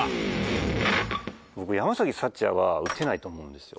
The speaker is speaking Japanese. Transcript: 僕山福也は打てないと思うんですよ。